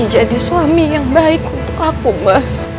dia jadi suami yang baik untuk aku ma